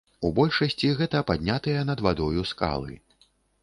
У большасці гэта паднятыя над вадою скалы.